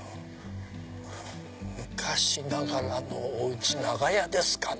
昔ながらのおうち長屋ですかね。